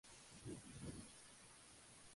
Ninguna de sus relaciones cuajó en matrimonio.